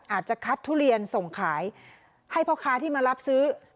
อาจจะคัดทุเรียนส่งขายให้พ่อค้าที่มารับซื้อ